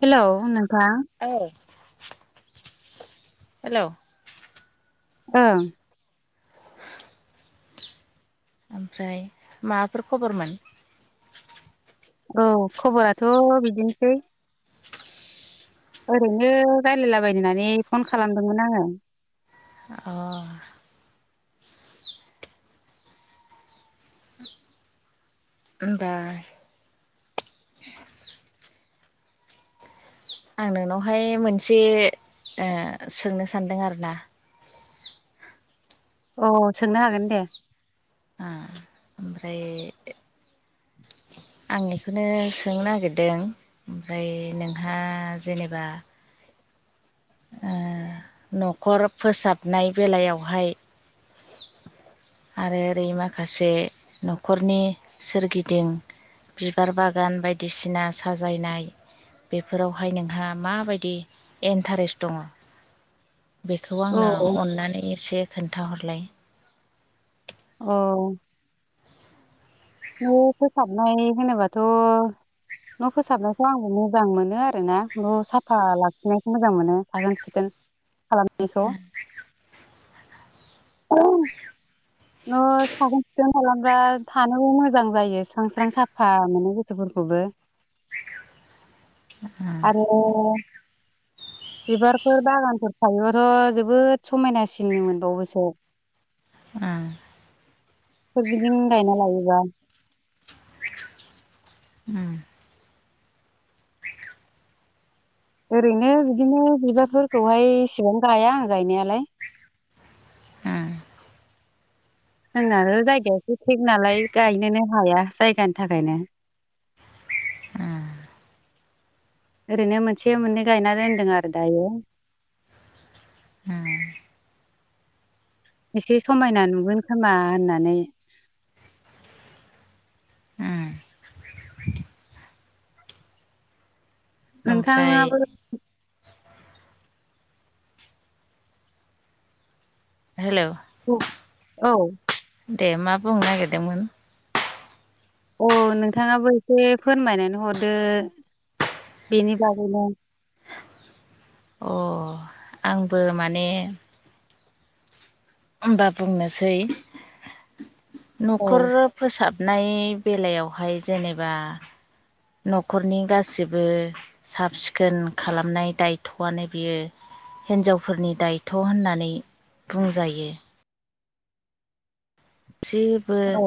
Hello नोंथां औ hello ओं ओमफ्राय माबाफोर खबरमोन औ खबराथ' बिदिनोसै ओरैनो रायलायलाबायनोहोननानै फन खालामदोंमोन आङो। अ होनबा आं नोंनावहाय मोनसे ओ सोंनो सानदों आरो ना औ सोंनो हागोन दे। ओ ओमफ्राय आं बेखौनो सोंनो नागिरदों ओमफ्राय नोंहा जेनेबा ओ न'खर फोसाबनाय बेलायावहाय आरो ओरै माखासे न'खरनि सोरगिदिं बिबार बागान बायदिसिना साजायनाय बेफोरावहाय नोंहा माबायदि इन्टारेस्ट दङ? बेखौ औ आंनो अननानै एसे खोन्थाहरलाय औ न' फोसाबनाय होनोबाथ' न' फोसाबनायखौ' आंबो मोजां मोनो आरोना न' साफा लाखिनायखौ मोजां मोनो साखोन सिखोन। खालामनायखौ [unintelligible] न' साखोन सिखोन खालामब्ला थानोबो मोजां मोजां जायो स्रां स्रां साफा मोनो गोसोफोरखौबो आरो [inaudible] बिबारफोर बागानफोर थायोबाथ' जोबोद समायनासिन मोनबावोसो ओं सोरगिदिं गायना लायोबा ओरैनो बिदिनो बिबारफोरखौहाय इसेबां गाया आं गायनायालाय ओम जोंना आरो जायगाया एसे थेग नालाय गायनोनो हाया जायगानि थाखायनो ए ओरैनो मोनसे मोननै गायना दोनदों आरो दायो ओम एसे समायना नुगोन खोमा होननानै। ओम ओमफ्राय नोंथाङाबो हेलौ औ औ दे मा बुंनो नागिरदोंमोन! औ नोंथाङाबो एसे फोरमायनानै हरदो बेनि बागैनो अ आंबो माने होमबा बुंनोसै। औ न'खर फोसाबनाय बेलायावहाय जेनेबा न'खरनि गासैबो साब सिखोन खालामनाय दायथ'आनो बियो हिन्जावफोरनि दायथ' होननानै बुंजायो गासैबो औ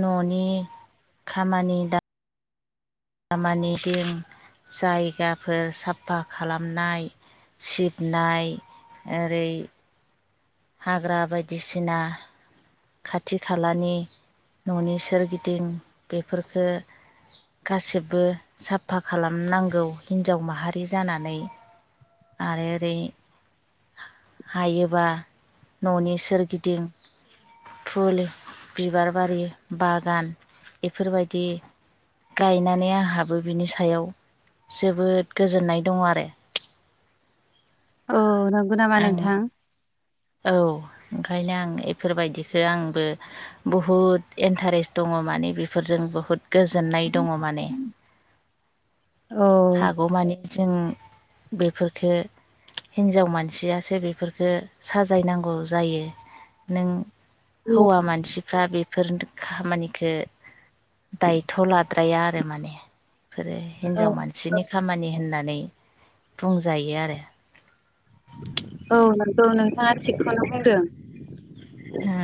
न'नि खामानि दा खामानि दिं जायगाफोर साफा खालामनाय सिबनाय ओरै हाग्रा बायदिसिना खाथि खालानि न'नि सोरगिदिं बेफोरखो गासिबो साफा खालामनांगौ हिन्जाव माहारि जानानै आरो ओरै हायोबा न'नि सोरगिदिं फुल बिबार बारि बागान इफोरबायदि गायनानै आंहाबो बिनि सायाव जोबोद गोजोननाय दं आरो औ नंगौ नामा आं नोंथां औ ओंखायनो आं इफोरबायदिखो आंबो बहुद इन्टारेस्ट दङ दङ माने बेफोरजों बुहुत गोजोननाय दङ माने औ हागौमानि जों बेफोरखो हिन्जाव मानसियासो बेफोरखो साजायनांगौ जायो नों हौवा औ मानसिफ्रा बे बेफोर खामानिखो दायथ' लाद्राया आरो माने बेफोरो हिन्जाव मानसिनि खामानि होननानै बुंजायो आरो औ नंगौ नोंथाङा थिगखौनो बुंदों हो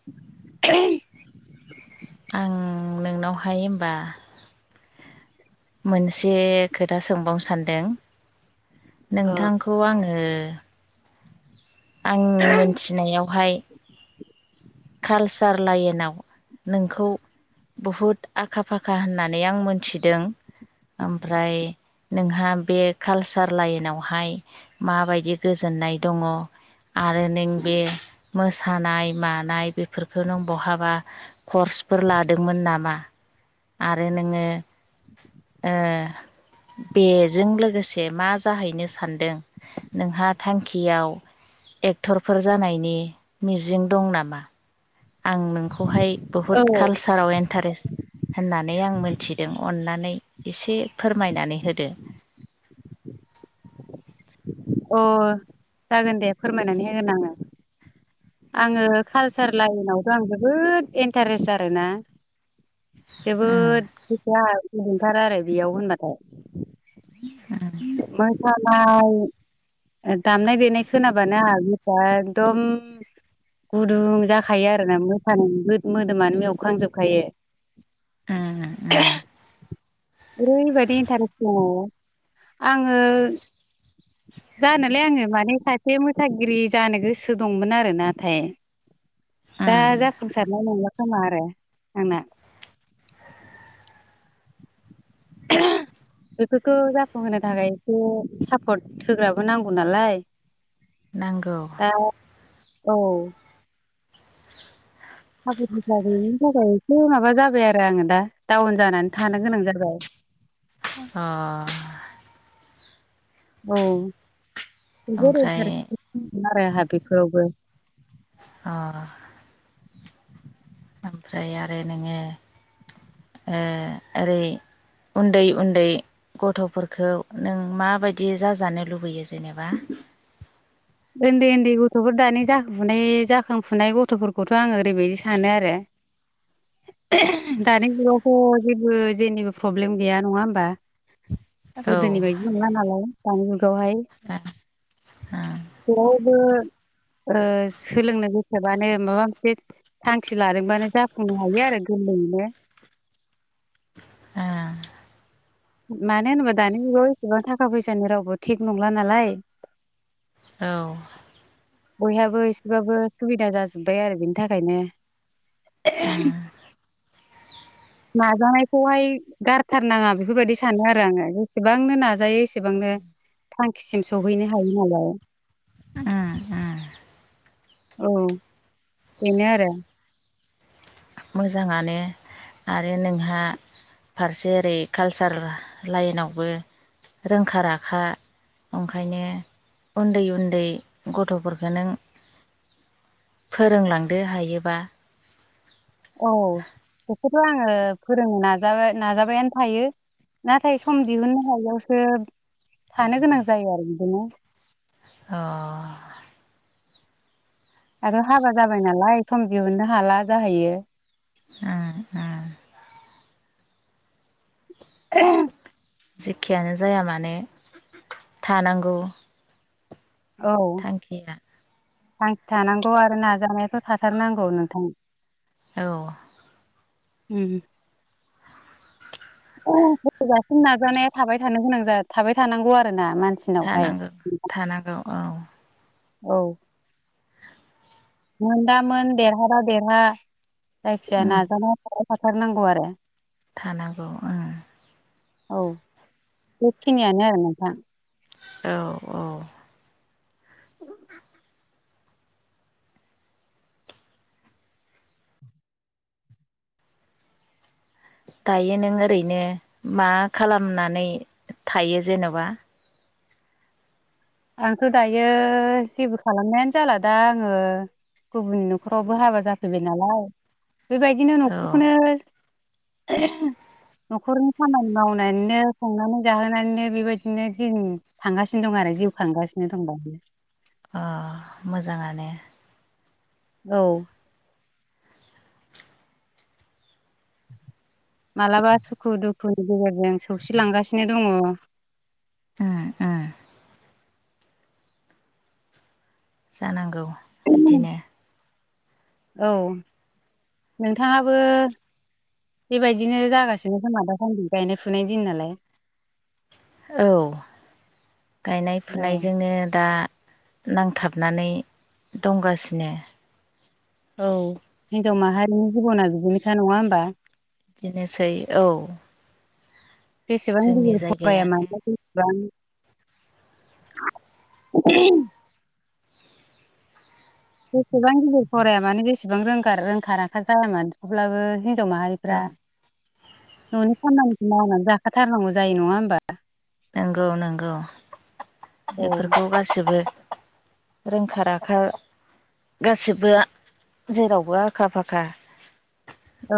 [unintelligible] आं नोंनावहाय होनबा मोनसे खोथा सोंबावनो सानदों। नोंथांखौ आङो [unintelligible] आं मोनथिनायावहाय कालसार लाइनाव नोंखौ बुहुद आखा -फाखा होननानै आं मोनथिदों। ओमफ्राय नोंहा बे कालसार लाइनावहाय माबायदि गोजोननाय दङ? आरो नों बे मोसानाय- मानाय बेफोरखौ नों बहाबा कर्सफोर लादोंमोन नामा? आरो नोङो ओ बेजों लोगोसे मा जाहैनो सानदों? नोंहा थांखियाव एक्टरफोर जानायनि मिजिं दं नामा? आं नोंखौहाय बुहुद औ कालसाराव इन्टारेस्ट होननानै आं मोनथिदों। अन्नानै एसे फोरमायनानै होदो। अ जागोन दे, फोरमायनानै होगोन आङो। आङो कालसार लाइनावथ' आं जोबोद इन्टारेस्ट आरोना। उम जोबोद गोसोया गुदुंथारो आरो बेयाव होनबाथाय। मोसानाय दामनाय- देनाय खोनाबानो आंहा गोसोआ एकदम गुदुं जाखायो आरोना। मोसानाय मोदोमानो मेवखांजोबखायो। ओम ओम। ओरैबायदि इन्टारेस्ट दङ आङो [unintelligible] जानोलाय आङो माने सासे मोसागिरि जानो गोसो दंमोन आरो नाथाय दा उम जाफुंसारनाय नंला खोमा आरो आंना। [unintelligible] बेफोरखौ जाफुंहोनो थाखाय एसे सापर्ट होग्राबो नांगौ नालाय। नांगौ। दा औ। थाखा फैसा गैयिनि थाखाय एसे माबा जाबाय आरो आङो दा डाउन जानानै थानो गोनां जाबाय। अ। औ जोबोर ओमफ्राय एनटारेसमोन आरो आंहा। बेफोरावबो। अ। ओमफ्राय आरो नोङो ओ ओरै उन्दै -उन्दै गथ'फोरखौ नों माबायदि जाजानो लुबैयो जेनेबा? उन्दै- उन्दै गथ'फोर दानि जाखांफुनाय -जाखांफुनाय गथ'फोरखौथ' आङो ओरैबायदि सानो आरो [unintelligible] दानि जुगावथ' जेबो, जेनिबो प्रब्लेम गैया नङा होमबा। औ ओ गोदोनि बायदि नंला- नालाय दानि जुगावहाय। ओ बयबो ओ सोलोंनो गोसोबानो माबा मोनसे थांखि लादोंबानो जाफुंनो हायो आरो। गोरलैयै नो। ओ। मानो होनोबा, दानि जुगाव एसेबां थाखा फैसानि रावबो थेग नंला नालाय। औ। बयहाबो एसेबाबो सुबिदा जाजोब्बाय आरो बेनि थाखायनो। ओ। नाजानायखौहाय गारथारनाङा बेफोरबायदि सानो आरो आङो। जेसेबांनो नाजायो एसेबांनो थांखिसिम सहैनो हायो नालाय। ओ-ओ- औ बिनो आरो। मोजाङानो आरो नोंहा। फारसे ओरै कालसार लाइनावबो रोंखा राखा। ओंखायनो उन्दै उन्दै गथ'फोरखौ नों। फोरोंलांदो हायोबा। औ बेखौथ' आङो फोरोंनो नाजाबाय नाजाबायानो थायो। नाथाय सम दिहुननो हायियावसो थानो गोनां जायो आरो बिदिनो। अ आरोाथ' हाबा जाबाय नालाय सम दिहुननो हाला जाहैयो। ओ-ओ- [unintelligible] जेखियानो जाया मानोे थानांगौ। औ थांखिया थांखि थानांगौ आरो नाजानायाथ' थाथारनांगौ नोंथां। औ उम। [unintelligible] नाजानाया थाबाय थानो गोनां जा-थाबाय थानांगौ आरो। ना मानसिनावहाय। थानांगौ थानांगौ औ औ मोनदामोन देरहाबा देरहा जायखिजाया उम नाजानाय। थाथार नांगौ आरो। थानांगौ ओं। औ बेखिनियानो आरो नोंथां। औ औ [unintelligible] दायो नों ओरैनो मा खालामनानै? थायो जेने'बा? आंथ' दायो जेबो खालामनायानो जाला दा आङो। गुबुननि न'खरावबो हाबा जाफैबाय नालाय बेबायदिनो औ न'खरखौनो। [unintelligible] न'खरनि खामानि मावनानैनो संनानै जाहोनानैनो बेबायदिनो दिन थांगासिनो दं आरो जिउ थांगासिनो दंबायदि। अ मोजाङानो। औ [unintelligible] मालाबा सुखु दुखुनि गेजेरजों सौसिलांगासिनो दङ। ओम ओम। जानांगौ बिदिनो। औ नोंथाङाबो। बेबायदिनो जागासिनो खोमा दासान्दि गायनाय फुनाय दिन नालाय। औ गायनाय औ फुनायजोंनो दा। नांथाबनानै दंगासिनो। औ हिनजाव माहारिनि जिब'ना बिदिनोखाा नङा होमबा? बिदिनोसै औ। बेसेबां जोंनि गिदिर फराया जायगायानो मानो बेसेबां। [unintelligible] जेसेबां गिदिर फराया मानोे जेसेबां रों-रोंखा राखा जाया मानो थेवब्लाबो। हिनजाव माहारिफ्रा औ न'नि खामानिखौ मावनानै जाखाथारनांगौ जायो नङा होमबा? नंगौ-नंगौ औ बेफोरखौ गासैबो। रोंखा राखा गासिबोआ जेरावबो आखा फाखा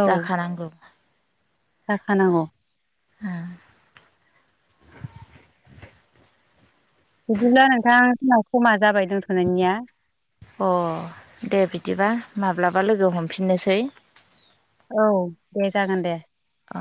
औ जाखानांगौ जाखानांगौ उम बिदिब्ला नोंथां जोंना समा जाबाय दोनथ'नायनिया अह दे बिदिबा माब्लाबा लोगो हमफिननोसै औ दे जागोन दे अ